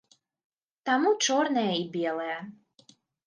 Таму чорнае і белае.